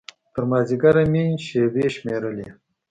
تر مازديګره مې شېبې شمېرلې.